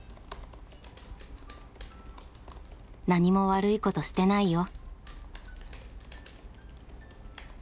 「何も悪いことしてないよ」。